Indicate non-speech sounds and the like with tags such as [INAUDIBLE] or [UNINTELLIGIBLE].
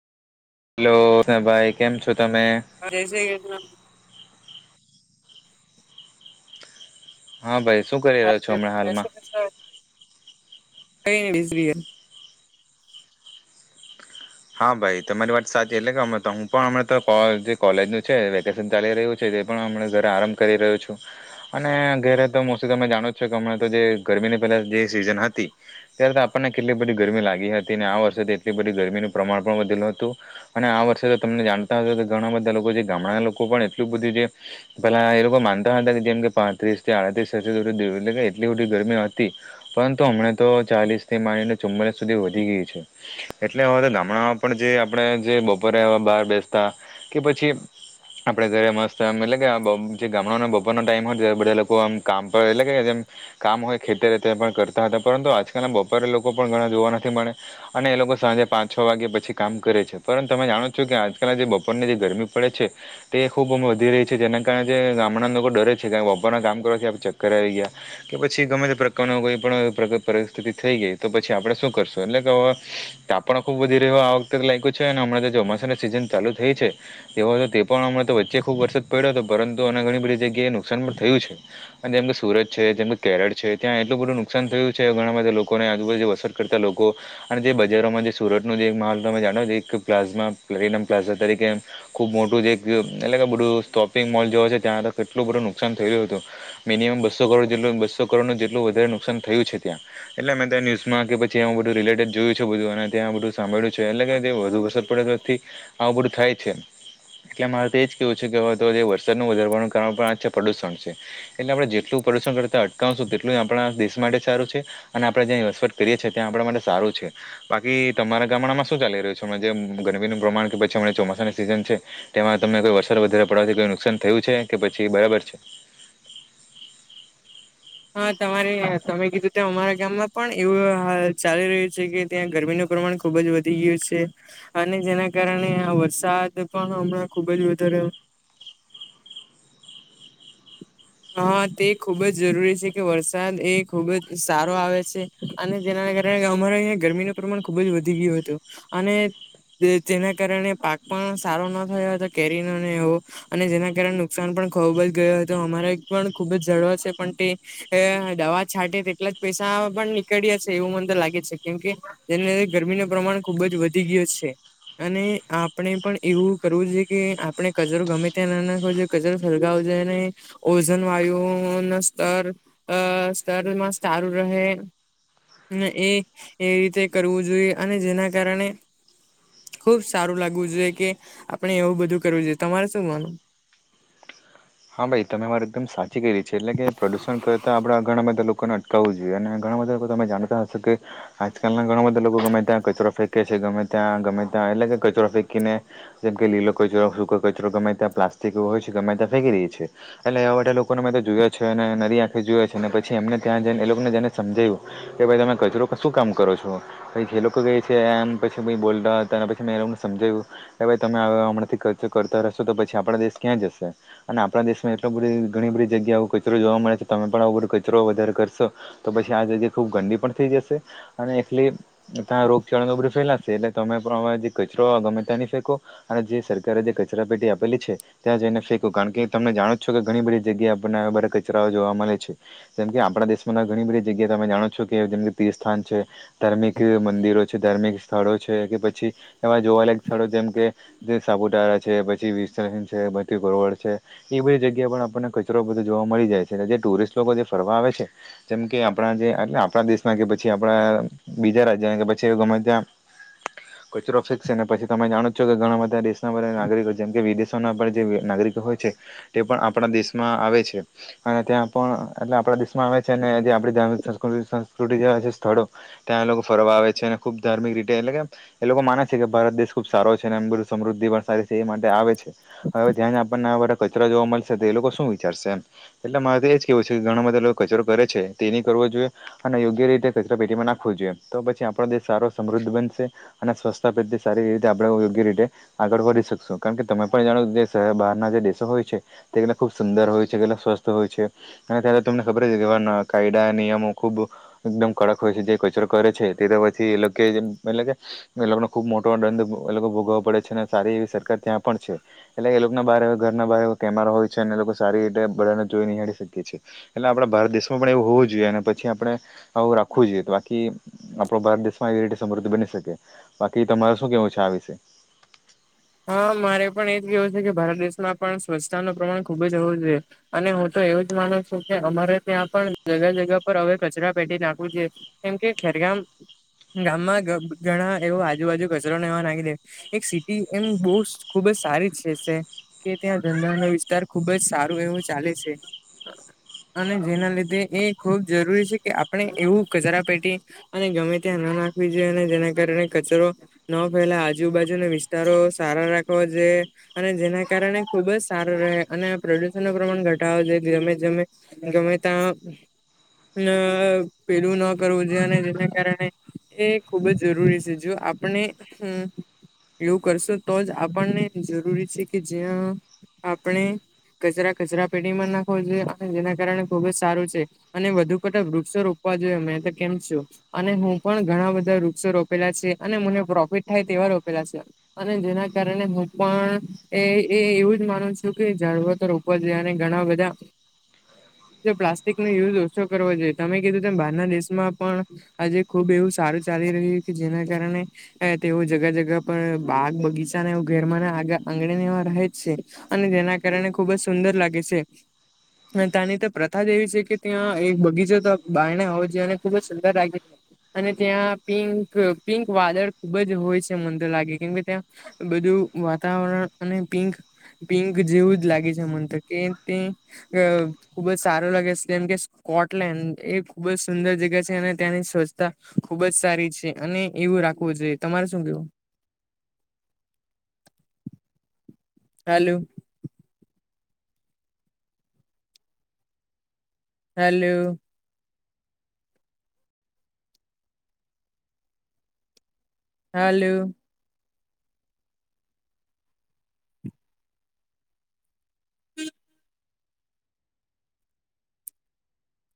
Hello ભાઈ, કેમ છો તમે? આ રે છે એકમાં? હા ભાઈ શું કર? [UNINTELLIGIBLE] હા ભાઈ તમારી વાત સાચી, એટલે કે હમને તો હું પણ અમ તો જે કોલેજ નું છે વેકેશન ચાલી રહ્યું છે તે પણ હમને ઘરે આરાંમ કરી રહ્યો છું. અને ઘેરે તો મોસી તમે જાણો જ છો કે હમણાં તો જે ગરમીની પહેલા જે સીઝન હતી ત્યારે તો આપણને કેટલી બધી ગરમી લાગી હતી અને આ વર્ષેથી એટલી બધી ગરમીનું પ્રમાણ પણ વધેલું હતું. અને આ વર્ષે તો તમને જાણતા હશે તો ઘણા બધા લોકો જે ગામડાના લોકો પણ એટલું બધું જે પેલા એ લોકો માનતા હતા કે જેમ કે પાત્રીસ થી આડત્રીસ એટલી બધી ગરમી હતી. પરંતુ હમણા તો ચાલીસ થી માનીને ચુમ્માલીસ સુધી વધી ગઈ છે એટલે હવે તો ગામ હમણાં પણ જે આપણે જે બપોરે બહાર બેસતા કે પછી આપડે ઘરે મસ્ત અમ એટલે કે જે ગામડા બપોરનો ટાઈમ હોય તે બધા લોકો આમ કામ પર એટલે કે જેમ કામ હોય ખેતરે તે પણ કરતા હતા, પરંતુ આજકાલના બપોરે લોકો પણ ઘણા જોવા નથી મળે. અને એ લોકો સાંજે પાંચ છ વાગ્યા પછી કામ કરે છે પરંત તમે જાણો છો કે આજકાલ જે બપોરને જે ગરમી પડે છે તે ખૂબ અ વધી રહી છે જેના કારણે જે ગામડાના લોકો ડરે છે કાર વાપરના કામ કરવાથી આપ ચક્કર આવી ગયા. કે પછી ગમે તે પ્રકારનો કોઈ પણ પ્ર પરિસ્થિતિ થઈ ગઈ તો પછી આપડે શું કરશું? એટલે કે અવે કા પણ ખુબ બધી રહ્યો આ વખતે લાયક્યું છે અને હમણાં ચોમાસાના સિઝન ચાલુ થઈ છે. એ હતો તે પણ હમણાં તો વચ્ચે ખુબ વરસાદ પડ્યો હતો. પરંતુ અને ઘણી બધી જગ્યાએ નુકસાન પણ થયું છે. અને અંદર સુરત છે, જેમ કે કેરળ છે, ત્યાં એટલું બધું નુકસાન થયું છે. ઘણા બધા લોકોને આજુબાજું વરસા કરતા લોકો અને જે બજારોમાં જે સુરતનો જ એક માલ તમે જાણો તો એક પ્લાઝમા પ્લેટનમ પ્લાઝમા તરીકે ખુબ મોટું જે એક એટલે કે બધું શોપિંગ મોલ જો છે ત્યાં તો કેટલું બધું નુકસાન થયું હતું. મિનિમમ બસો કરોડ જેલુ બસો કરોડ નો જે એટલું વધારે નુકસાન થયું છે ત્યાં. એટલે મેં ત્યા ન્યૂઝમાં કે પછી એવુ બધું રિલેટેડ જોય છે બધું અને ત્યાં બધું સાંભળ્યું છે એટલે કે વધુ વરસાદ પડે તો થી આવું બધું થાય છે. એટલે મારે તો એજ જ કેવું છે કે હવે વરસાદનું વધારવાનું કારણ પણ આ પ્રદુષણ છે. એટલે આપણે જેટલું પરશણ કરતા અટકાવશું તેટલું આપણા દેશ માટે સારું છે. અને આપણે જ્યાં વસવાટ કરીએ છીએ ત્યાં આપણા માટે સારું છે. બાકી તમારા ગામડામાં શું ચાલી રહ્યું છે અમના જેમ ગરમીનું પ્રમાણ કે પછી હમણા ચોમાસાની સિઝન છે તેમાં તમને કોઈ વરસાદ વધારે પડવાથી કોઈ નુકસાન થયું છે કે, પછી બરાબર છે. હા, તમારે તમે કીધું ત અમારા ગામમાં પણ એવું હા ચાલી રહ્યું છે કે ત્યાં ગરમીનું પ્રમાણ ખુબ જ વધી ગયું છે. અને જેના કારણે આ વરસાદ પણ હમણાં ખુબ જ વધારે હા તે ખુબ જ જરૂરી છે કે, વરસાદ એ ખુબ જ સારો આવે છે. અને જેના કારણે અમારે અહીંયા ગરમીનું પ્રમાણ ખુબ જ વધી ગયું હતું. અને જેના કારણે પાક પણ સારો ન થયો હતો, કેરીનોને એવો. અને જેના કારણે નુકસાન પણ ખુબ જ ગયો હતું. અમારે એક પણ ખુબ જ ઝાડવા છે પણ તે અ દવા છાંટે તેટલા જ પૈસા પણ નીકળ્યા છે, એવું મને તો લાગે છે કેમ કે, એને લીધે ગરમીનું પ્રમાણ ખુબ જ વધી ગયું છે. અને આપણે પણ એવું કરવું જોઇએ છે કે, આપણે કચરો ગમે ત્યાં ન નાખવો જો કચરો સળગાવો જોઈએ નહી, ઓઝન વાયુઓન સ્તર અ સ્તરમાં સારું રહે એ એ રીતે કરવું જોઈએ અને જેના કારણે, ખુબ સારું લાગવું જોઈએ કે, આપણે એવું બધું કરવું જોઈએ. તમારે શું માનું? હા! ભાઈ, તમે મારે એકદમ સાચી કરી રહી છે એટલે કે પ્રદૂષણ કરતા આપણા ઘણા બધા લોકોના કરવું જોઈએ. અને ઘણા બધા લોકો તમે જાણતા હશો કે, આજકાલના ઘણા બધા લોકો ગમે ત્યાં કચરો ફેંકે છે. ગમે ત્યાં ગમે ત્યાં એટલે કે કચરો ફેંકીને જેમકે લીલો કચરો, સુકો કચરો ગમે ત્યાં પ્લાસ્ટિક હોય છે. ગમેય ત્યાં ફેકી દે છે. એટલે એવા લોકોને મેં તો જોયા છે અને નરી આંખે જોયા છે. અને પછી એમને ત્યાં જઈને એ લોકોને જઈને સમજાય્યું, કે ભાઈ તમે કચરો શું કામ કરો છો? પછ જે લોકો ગે છે એમ પછી બોલતા હતા અને પછી મેં એમને લોકોને સમજાવ્યું કે ભાઈ તમે હમણાંથી ખર્ચો કરતા રહેશો તો, પછી આપણો દેશ ક્યાં જશે? અને આપણા દેશમાં એટલો બધી ઘણી બધી જગ્યાએ આવો કચરો જોવા મળે છે. તમે પણ આવું બધો કચરો વધારે કરશો તો પછી આ જગ્યા ખૂબ ગંદી પણ થઈ જશે, અને એટલી ત્યાં રોગચાળા એ બધુ ફેલાશે એટલે તમે પણ જે કચરો ગમે ત્યાં ની ફેકો અને જે સરકારે જે કચરાપેટી આપેલી છે, ત્યાં જઈને ફેંકો. કારણ કે તમે જાણો જ છો કે, ઘણી બધી જગ્યાએ આપણને આવા બધાં કચરાઓ જોવા મળે છે જેમ કે આપણા દેશમાં ઘણી બધી જગ્યા તમે જાણો છો કે, જેમ તીર્થસ્થાન છે ધાર્મિક મંદિરો છે. ધાર્મિક સ્થળો છે કે પછી એવા જોવા લાયક સ્થળો જેમ કે, જે સાપુતારા છે. પછી વિરસાહીન છે કે પછી ગોરવડ છે. એ બધી જગ્યા પણ આપણને કચરો બધો જોવા મળી જાય છે. જે ટુરિસ્ટ લોકો જે ફરવા આવે છે જેમ કે આપણા જે એટલે આપણા દેશના કે પછી આપડા બીજા રાજ્યોના કે પછી ગમે ત્યાં કચરો ફેંકશે ને પછી તમે જાણો છો કે, ઘણા બધા દેશના બધા નાગરિકો જેમ કે વિદેશ [UNINTELLIGIBLE] જે નાગરિકો હોય છે તે પણ આપણા દેશમાં આવે છે અને ત્યાં પણ એટલે આપણા દેશ આવે છે ને એ આપડી ત્યાં નો [UNINTELLIGIBLE] સંસ્કૃતિ જેવા જે સ્થળો ત્યાં લોકો ફરવા આવે છે અને ખૂબ ધાર્મિક રીતે એટલે કે આમ એ લોકો માને છે કે ભારત દેશ ખુબ સારો છે અને એમ સમૃદ્ધિ પણ સારી છે એ માટે આવે છે. હવે ત્યાં જ આપણને આવો બધો કચરા જોવા મલશે, તો એ લોકો શું વિચારશે એમ? એટલે મારે તો એ જ કેવું છે કે, ઘણા બધા લોકો કચરો કરે છે તે ની કરવો જોઈએ અને યોગ્ય રીતે કચરા પેટીમાં નાખવું જોઈએ. તો પછી આપણો દેશ સારો સમૃદ્ધ બનશે અને સ્વસ્થબંધ સારી રીતે આપડે યોગ્ય રીતે આગળ વધી શકશો. કારણ કે, તમે પણ જાણો દેશ બહારના જે દેશ હોય છે તે કેટલા ખૂબ સુંદર હોય છે. કેટલા સ્વસ્થ હોય છે. અને અત્યારે તમને ખબર છે કેવા નવા કાયદા નિયમો ખુબ એકદમ કડક હોય છે. જે કચરો કરે છે તે તો પછી એલોકે જ એમ મને લાગે એ લોકોનો ખુબ મોટો દંડ એ લોકો ભ ભોગવો પડે છે અને સારી એવી સરકાર ત્યાં પણ છે. એટલે એ લોકના બાર એવા ઘરના બાર કેમેરા હોય છે અને એ લોકો સારી રીતે બધાને જોઈ નિહાળી શકે છે. એટલે આપડા ભારત દેશમાં પણ એવું હોવું જોઈએ ને પછી આપડે આવું રાખવું જોઈએ તો બાકી આપડો ભારત દેશમાં એવી રિટે સમૃદ્ધિ બની શકે. બાકી તમારે શું કેવું છે આ વિશે? હા મારે પણ એજ કેવું છે કે ભારત દેશમાં પણ સ્વચ્છતા નો પ્રમાણ ખુબ જ હોવુ જોયે. અને હું તો એવું જ માનું છું કે અમારે ત્યાં પણ જગા જગા પર હવે કચરા પેટી નાખવું જોયે. કેમકે ખેરગામ ને ગામમાં ગ ઘણા એવો આજુબાજુ કચરો ને એવા નાખી દે, એક સિટી એમ બુસ્ટ ખુબ જ સારી છે સે. કે ત્યાં ધંધાનો વિસ્તાર ખુબ જ સારું એવું ચાલે છે. અને જેના લીધે એ ખુબ જરૂરી છે કે આપણે એવું કચરા પેટી અને ગમે ત્યાં ન નાખવી જોઈએ અને જેના કારણે કચરો ન ફેલા આજુબાજુના વિસ્ તારો સારા રાખાવા જોયે. અને જેના કારણે ખુબ જ સારું રહે અને પ્રદુષણ નું પ્રમાણ ઘટાવો જોયે ગેમે જેમે ગમે તા ન પેલું ન કરવું જોઈએ અને જેના કારણે એ ખુબ જ જરૂરી છે જો આપણે હમ્મ એવું કરશો તો જ આપણને જરૂરી છે કે જ્યાં આપણે કચરા કચરા પેટીમાં નાખવો જોઈએ અને જેના કારણે ખુબ જ સારું છે. અને વધુ પતાક વૃક્ષો રોપવા જોઈએ મેં તો કેમ છુ. અને હું પણ ઘણા બધા વૃક્ષો રોપેલા છે અને મને પ્રોફિટ થાય તેવા રો પેલા છે અને જેના કારણે હું પણ એ એ એવું જ માનું છું કે ઝાડવા તો રોપવા જોઈએ અને ઘણા બધા જે પ્લાસ્ટિક નો યુઝ ઓછો કરવો જોઈએ. તમે કીધું તેમ બારના દેશમાં પણ આજે ખુબ એવું સારું ચાલી રહ્યું કે જેના કારણે અ તેઓ જગા જગા પણ બાગ બગીચાને એવું ધેરમાં ના આગ આંગણે ને એવા રહે જ છે. અને જેના કારણે ખુબ જ સુંદર લાગે છે. અને તાની તો પ્રથા જ એવી છે કે ત્યાં એક બગીચો તો બાયણે હોવો જ જોઈએ ને ખુબ જ સુંદર લાગે અને ત્યાં પિંક, પિંક વાદળ ખુબ જ હોય છે મંદ લાગે કેમ કે ત્યાં બધું વાતાવરણ અને પિંક પિંક જેવું જ લાગે છે મન તો કે તે અ ખુબ જ સારો લાગે છે જેમ કે સ્કોટલેન્ડ, એ ખુબ જ સુંદર જગા છે અને ત્યાંની સ્વચ્છતા ખુબ જ સારી છે અને એવું રાખવું જોઈએ. તમારે શું કેવું? હેલુ. હેલું. હાલુ.